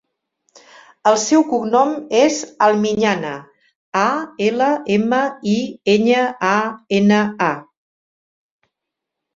El seu cognom és Almiñana: a, ela, ema, i, enya, a, ena, a.